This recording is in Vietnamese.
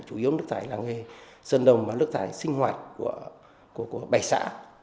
chủ yếu nước thải là sơn đồng và nước thải sinh hoạt của bảy xã